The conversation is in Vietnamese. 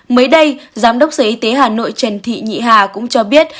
mới đây giám đốc sở y tế hà nội trần thị nhị hà cũng cho biết